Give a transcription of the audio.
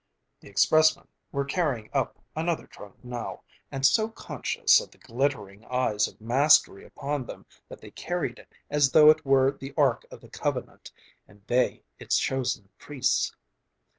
The expressmen were carrying up another trunk now, and so conscious of the glittering eyes of mastery upon them that they carried it as though it were the Ark of the Covenant and they its chosen priests.